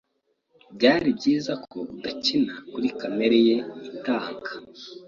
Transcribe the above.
Byari byiza ko udakina kuri kamere ye itanga.